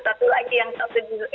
satu lagi yang saya sedih